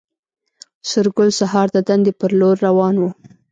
سورګل سهار د دندې پر لور روان و